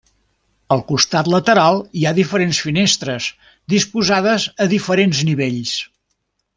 Al costat lateral hi ha diferents finestres disposades a diferents nivells.